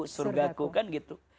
surgaku kan gitu